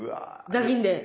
ザギンで。